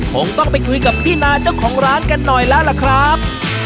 คงต้องไปคุยกับพี่นาเจ้าของร้านกันหน่อยแล้วล่ะครับ